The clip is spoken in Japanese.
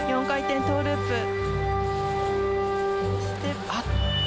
４回転トウループ。